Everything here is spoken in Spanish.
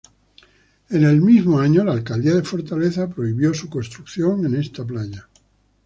En el mismo año, la Alcaldía de Fortaleza prohibió su construcción en esta playa.